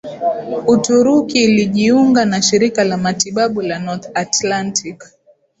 Uturuki ilijiunga na Shirika la Matibabu la North Atlantic